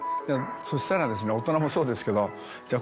そしたら大人もそうですけどじゃあ